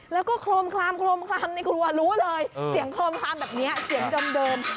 แล้วก็โครมคลามโครมคลามในครัวรู้เลยเสียงโครมคลามแบบเนี้ยเสียงเดิมเดิม